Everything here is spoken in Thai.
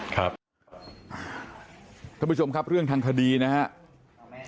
ท่านผู้ชมครับเรื่องทางคดีนะครับ